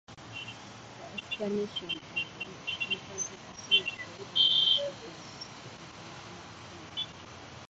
The explanation of an uncorrelated asymmetry usually makes reference to "informational asymmetry".